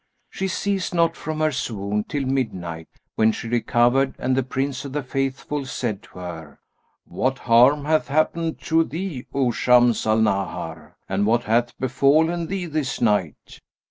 She ceased not from her swoon till midnight, when she recovered and the Prince of the Faithful said to her, 'What harm hath happened to thee, O Shams al Nahar, and what hath befallen thee this night?'